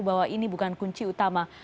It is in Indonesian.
bahwa ini bukan kunci utama